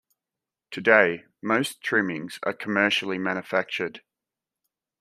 Today, most trimmings are commercially manufactured.